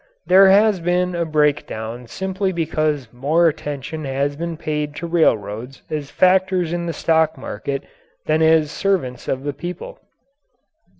There has been a breakdown simply because more attention has been paid to railroads as factors in the stock market than as servants of the people.